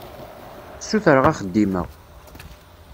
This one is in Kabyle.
Ssutreɣ axeddim-a.